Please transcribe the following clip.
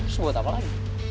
terus buat apa lagi